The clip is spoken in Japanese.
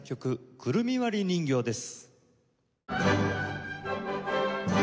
『くるみ割り人形』です。